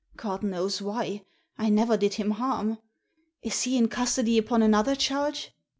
God knows why; I never did him harm. Is he in custody upon another charge?